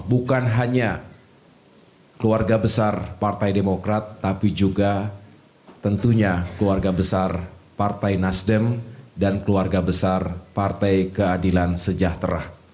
bukan hanya keluarga besar partai demokrat tapi juga tentunya keluarga besar partai nasdem dan keluarga besar partai keadilan sejahtera